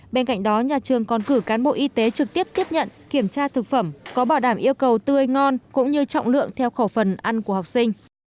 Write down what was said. bên cạnh đó nhà trường còn cử cán bộ y tế trực tiếp tiếp nhận kiểm tra thực phẩm có bảo đảm yêu cầu tươi ngon cũng như trọng lượng theo khẩu phần ăn của học sinh